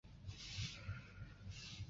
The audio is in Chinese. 单斑豆娘鱼为雀鲷科豆娘鱼属的鱼类。